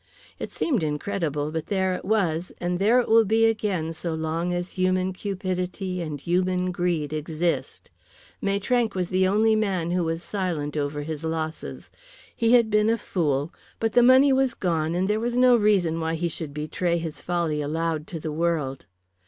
It seemed incredible, but there it was, and there it will be again so long as human cupidity and human greed exist. Maitrank was the only man who was silent over his losses. He had been a fool, but the money was gone, and there was no reason why he should betray his folly aloud to the world.